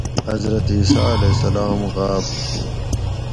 حضرت عیسٰی علیہ السلام غاۤپ ہُو